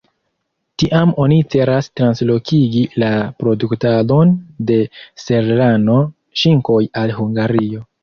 Tiam oni celas translokigi la produktadon de serrano-ŝinkoj al Hungario.